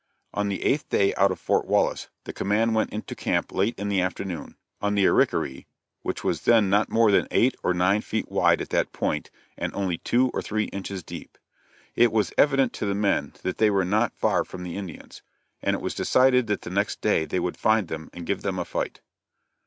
On the eighth day out from Fort Wallace, the command went into camp late in the afternoon, on the Arickaree, which was then not more than eight or nine feet wide at that point, and only two or three inches deep. It was evident to the men that they were not far from the Indians, and it was decided that the next day they would find them and give them a fight.